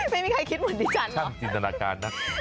ไม่มีใครคิดหมดดิจันหรอทำจินตนาการนะ